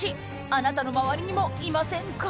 あなたの周りにもいませんか？